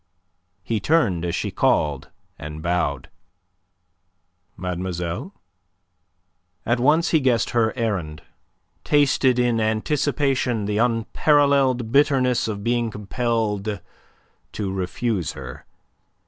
He turned as she called, and bowed. "Mademoiselle?" At once he guessed her errand, tasted in anticipation the unparalleled bitterness of being compelled to refuse her.